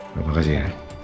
terima kasih ya